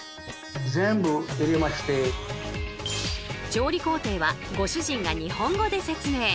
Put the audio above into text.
調理工程はご主人が日本語で説明。